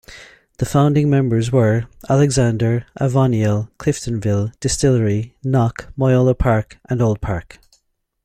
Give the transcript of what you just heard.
The founding members were: Alexander, Avoniel, Cliftonville, Distillery, Knock, Moyola Park and Oldpark.